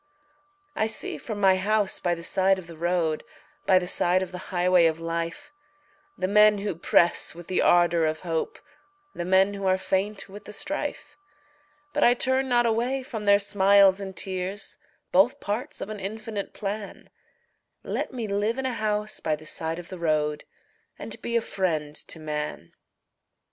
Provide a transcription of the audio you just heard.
I see from my house by the side of the road By the side of the highway of life, The men who press with the ardor of hope, The men who are faint with the strife, But I turn not away from their smiles and tears, Both parts of an infinite plan Let me live in a house by the side of the road And be a friend to man.